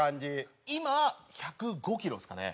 今１０５キロですかね。